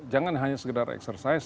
jangan hanya sekedar eksersis